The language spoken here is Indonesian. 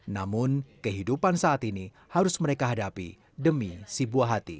namun kehidupan saat ini harus mereka hadapi demi si buah hati